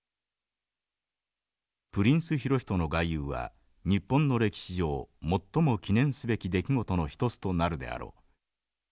「プリンス裕仁の外遊は日本の歴史上最も記念すべき出来事の一つとなるであろう。